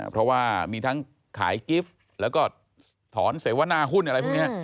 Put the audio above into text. เพราะว่ามีทั้งขายกิฟต์แล้วก็ถอนเสวนาหุ้นอะไรพวกนี้